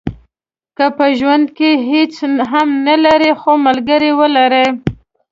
که په ژوند کې هیڅ هم نه لرئ خو ملګری ولرئ.